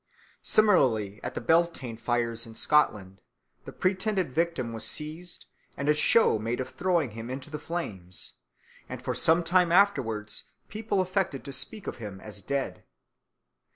Similarly at the Beltane fires in Scotland the pretended victim was seized, and a show made of throwing him into the flames, and for some time afterwards people affected to speak of him as dead.